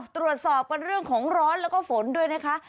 ตรวจสอบกันเรื่องของร้อนแล้วก็ฝนด้วยนะคะ